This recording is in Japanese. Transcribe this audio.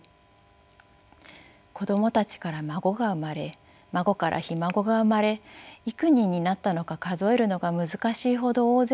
子供たちから孫が生まれ孫からひ孫が生まれ幾人になったのか数えるのが難しいほど大勢になり